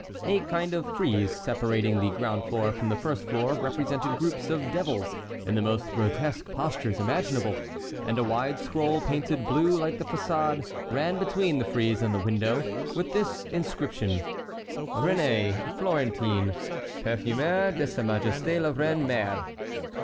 A kind of frieze separating the ground floor from the first floor represented groups of devils in the most grotesque postures imaginable; and a wide scroll painted blue like the façade ran between the frieze and the window, with this inscription: "Réné, Florentin, Perfumer de sa Majesté la Reine Mère."